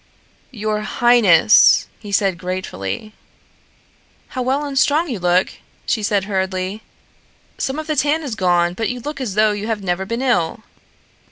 "Your highness!" he said gratefully. "How well and strong you look," she said hurriedly. "Some of the tan is gone, but you look as though you had never been ill.